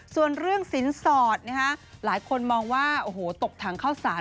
ส่วนเรื่องศิลป์สอดนะคะหลายคนมองว่าอโหตกทางเข้าสาร